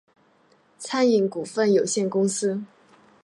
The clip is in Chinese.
餐饮股份有限公司